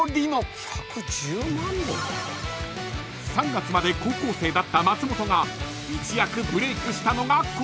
［３月まで高校生だった松本が一躍ブレイクしたのがこちら］